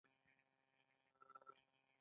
چای ستړیا له منځه وړي.